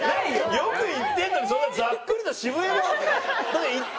よく行ってるのにそんなざっくりと「渋谷側」って。